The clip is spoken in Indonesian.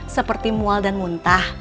seperti mual dan muntah